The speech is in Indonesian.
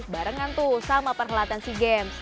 barang nantu sama perhelatan sea games